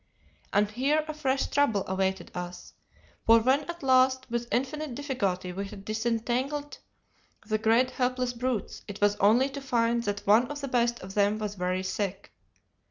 And here a fresh trouble awaited us, for when at last with infinite difficulty we had disentangled the great helpless brutes, it was only to find that one of the best of them was very sick.